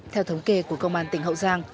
theo thống kê của công an tỉnh hậu giang